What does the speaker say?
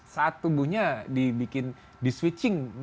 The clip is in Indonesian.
saat tubuhnya dibikin di switching